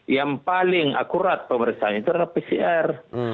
yang paling akurat pemeriksaan itu adalah pcr